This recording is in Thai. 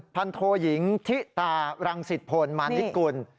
พันโทยิงทิตารังสิทธพลมานิกุล